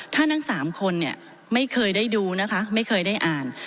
ถ้าทั้ง๓คนเนี่ยไม่เคยได้ดูนะคะไม่เคยได้อ่าน